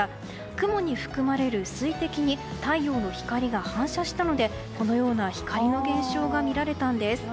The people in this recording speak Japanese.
雲に含まれる水滴に太陽の光が反射したのでこのような光の現象が見られたんです。